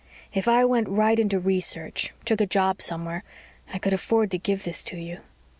"If I went right into research took a job somewhere I could afford to give this to you."